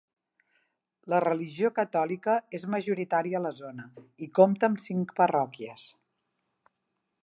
La religió catòlica és majoritària a la zona i compta amb cinc parròquies.